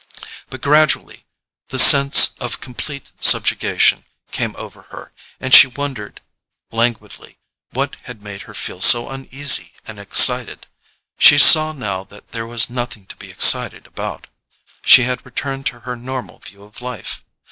But gradually the sense of complete subjugation came over her, and she wondered languidly what had made her feel so uneasy and excited. She saw now that there was nothing to be excited about—she had returned to her normal view of life.